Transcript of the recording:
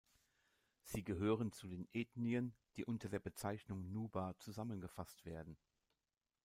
Sie gehören zu den Ethnien, die unter der Bezeichnung „Nuba“ zusammengefasst werden.